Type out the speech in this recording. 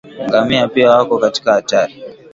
ngamia pia wako katika hatari